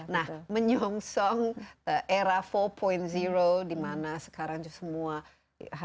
nah menyongsong era empat dimana sekarang itu semua harus